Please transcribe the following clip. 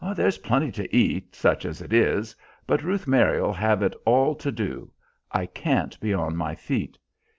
"There's plenty to eat, such as it is, but Ruth Mary'll have it all to do. I can't be on my feet."